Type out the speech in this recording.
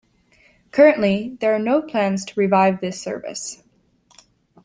Currently, there are no plans to revive this service.